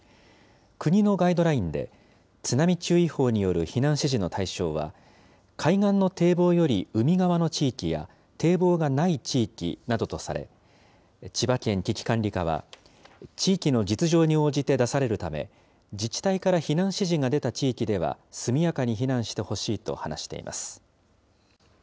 国のガイドラインで、津波注意報による避難指示の対象は海岸の堤防より海側の地域や、堤防がない地域などとされ、千葉県危機管理課は、地域の実情に応じて出されるため、自治体から避難指示が出た地域では速やかに避難してほしいと話しています。